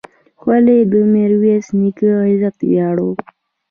خولۍ د میرویس نیکه عزت ویاړ و.